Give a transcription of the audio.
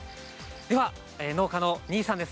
では農家の新居さんです。